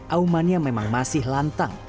aumannya memang masih lantang